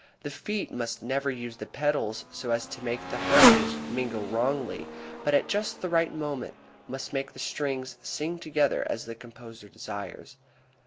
The feet must never use the pedals so as to make the harmonies mingle wrongly, but at just the right moment must make the strings sing together as the composer desires.